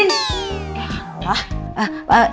itu rena udah bangun pak